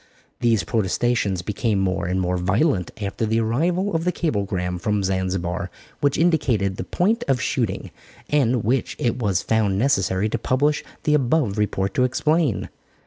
These protestations became more and more violent after the arrival of the cablegram from Zanzibar which indicated the point of shooting, and which it was found necessary to publish the above report to explain.